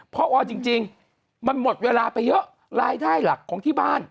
พอจริงมันหมดเวลาไปเยอะรายได้หลักของที่บ้าน